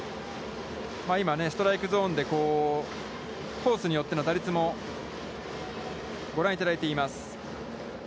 今、ストライクゾーンでコースによっての打率も、ご覧いただいています。